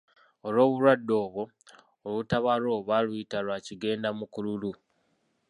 Olw'obulwadde obwo olutabaalo olwo baaluyita lwa Kigendamukululu.